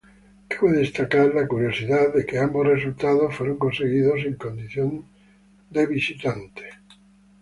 Cabe destacar la curiosidad de que ambos resultados fueron conseguidos en condición de visitante.